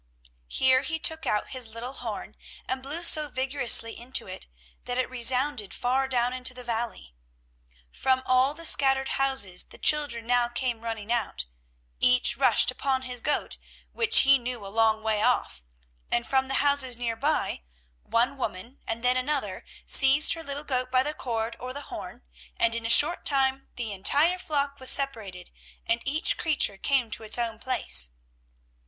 Here he took out his little horn and blew so vigorously into it, that it resounded far down into the valley. From all the scattered houses the children now came running out; each rushed upon his goat, which he knew a long way off; and from the houses near by, one woman and then another seized her little goat by the cord or the horn, and in a short time the entire flock was separated and each creature came to its own place.